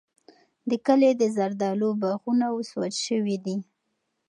د کلي د زردالیو باغونه اوس وچ شوي دي.